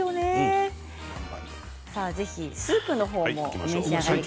ぜひスープもお召し上がりください。